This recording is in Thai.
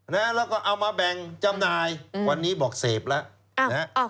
แล้วก็เอามาแบ่งจำหน่ายวันนี้บอกเสพแล้วนะฮะ